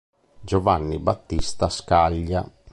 Giovanni Battista Scaglia